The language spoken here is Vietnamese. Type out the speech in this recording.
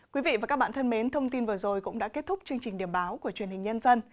quý vị và các bạn thân mến thông tin vừa rồi cũng đã kết thúc chương trình điểm báo của truyền hình nhân dân